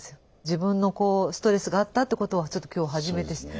自分のストレスがあったということをちょっと今日初めて知った。